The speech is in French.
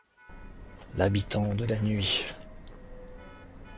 L’habitant de la nuit.